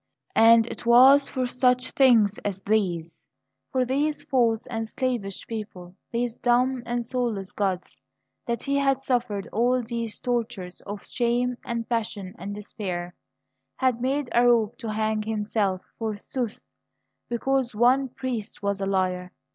And it was for such things as these for these false and slavish people, these dumb and soulless gods that he had suffered all these tortures of shame and passion and despair; had made a rope to hang himself, forsooth, because one priest was a liar.